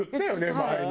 前に。